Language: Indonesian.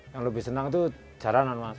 yang lebih senang itu jaranan mas